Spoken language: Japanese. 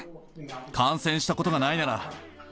感染したことがないなら。